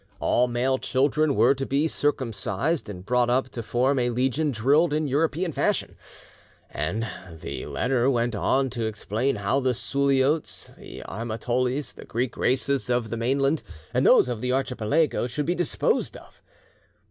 All male children were to be circumcised, and brought up to form a legion drilled in European fashion; and the letter went on to explain how the Suliots, the Armatolis, the Greek races of the mainland and those of the Archipelago should be disposed of.